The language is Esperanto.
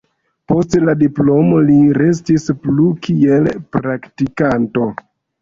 Post la diplomo li restis plu kiel praktikanto.